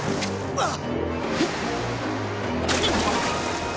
あっ。